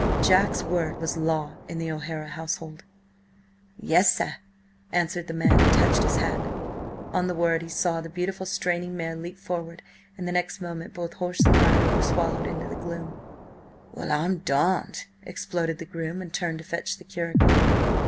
Jack's word was law in the O'Hara household. "Yes, sir," answered the man, and touched his hat. On the word, he saw the beautiful straining mare leap forward, and the next moment both horse and rider were swallowed in the gloom. "Well I'm–darned," exploded the groom, and turned to fetch the curricle.